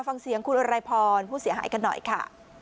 ฟังเสียงคุณอะไรพรผู้เสียหายกันหน่อยค่ะ